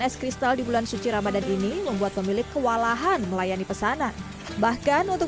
es kristal di bulan suci ramadhan ini membuat pemilik kewalahan melayani pesanan bahkan untuk